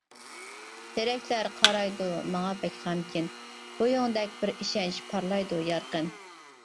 تېرەكلەر قارايدۇ ماڭا بەك غەمكىن, بويۇڭدەك بىر ئىشەنچ پارلايدۇ يارقىن.